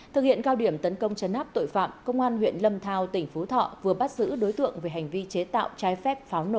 thực hiện cao điểm tấn công chấn áp tội phạm công an huyện lâm thao tỉnh phú thọ vừa bắt giữ đối tượng về hành vi chế tạo trái phép pháo nổ